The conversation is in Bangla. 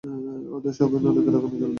ওদের সবাই নরকের আগুনে জ্বলবে!